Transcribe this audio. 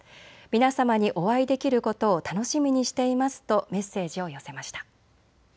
皆様にお会いできることを楽しみにしていますとメッセージを寄せました。